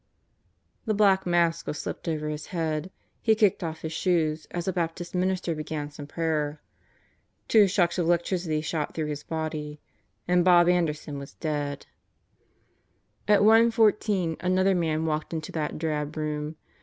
The black mask was slipped over his head, he kicked off his shoes as a Baptist minister began some prayer. Two shocks of electricity shot through his body and Bob Anderson was dead. At 1 : 14 another man walked into that drab room.